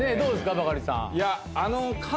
バカリさん。